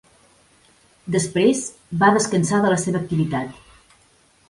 Després, va descansar de la seva activitat